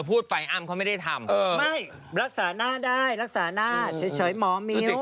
พี่ยังไม่ได้พูดสักคำแล้ว